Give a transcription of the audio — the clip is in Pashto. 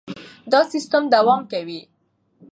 دا سیستم دوام کوي.